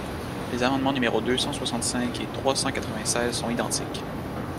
Les amendements numéros deux cent soixante-cinq et trois cent quatre-vingt-seize sont identiques.